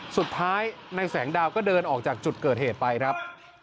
สุดท้ายในแสงดาวก็เดินออกจากจุดเกิดเหตุไปครับ